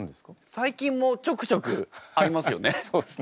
最近もちょくちょくありますよね？